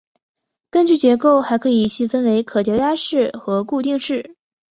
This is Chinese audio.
根据结构还可细分为可调压式和固定式。